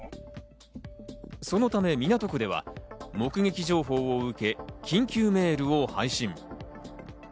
そのため港区では、目撃情報を受け緊急メールを配信。